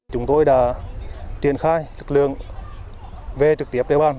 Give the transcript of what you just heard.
chúng tôi đã triển khai lực lượng về trực tiếp đeo bàn